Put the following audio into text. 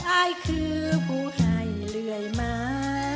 อายคือผู้ให้เรื่อยมา